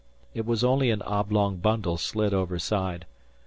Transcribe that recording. It was only an oblong bundle slid overside.